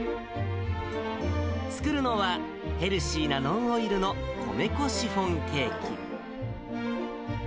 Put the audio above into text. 作るのは、ヘルシーなノンオイルの米粉シフォンケーキ。